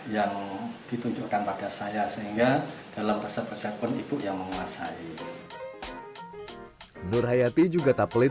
yang ditunjukkan pada saya sehingga dalam resep resep pun ibu yang menguasai nur hayati juga tak pelit